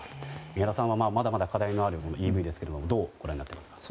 宮田さん、まだまだ課題のあるＥＶですけれどもどうご覧になっていますか。